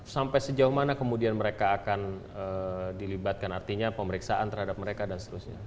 sampai sejauh mana kemudian mereka akan dilibatkan artinya pemeriksaan terhadap mereka dan seterusnya